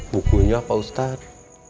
bukunya pak ustadz